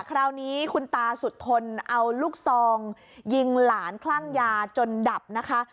คราวนี้คุณตาสุดทนเอาลูกซองยิงหลานคลั่งยาจนดับนะคะ